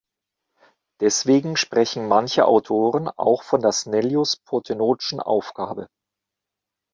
Deswegen sprechen manche Autoren auch von der "Snellius-Pothenotschen Aufgabe".